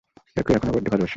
ওকে এখনও বড্ড ভালোবাসি!